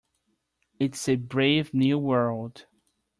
It's a brave new world.